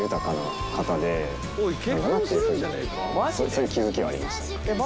そういう気付きはありました。